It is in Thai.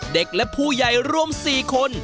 เด็กและผู้ใหญ่รวม๔คน